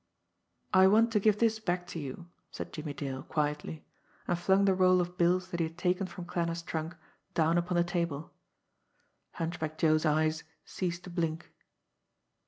"I want to give this back to you," said Jimmie Dale quietly and flung the roll of bills that he had taken from Klanner's trunk down upon the table. Hunchback Joe's eyes ceased to blink.